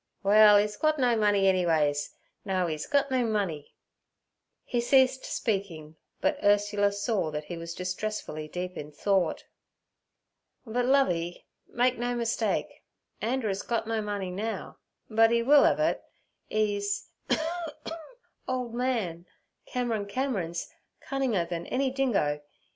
'Well, 'e's gut no money, ennyways. No, 'e's gut no money.' He ceased speaking, but Ursula saw that he was distressfully deep in thought. 'But, Lovey, make no mistake. Anderer's gut no money now, but 'e will ev it—'e's old man Cameron Cameron's cunninger then any dingo.